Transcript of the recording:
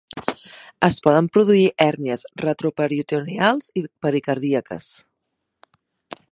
Es poden produir hèrnies retroperitoneals i pericardíaques.